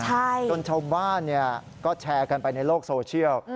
จนชาวบ้านก็แชร์กันไปในโลกโซเชียล